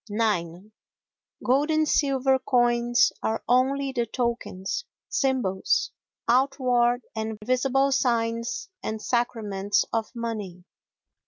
ix Gold and silver coins are only the tokens, symbols, outward and visible signs and sacraments of money.